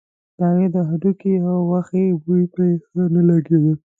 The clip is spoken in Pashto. د هغه د هډوکي او غوښې بوی پرې ښه نه لګېده.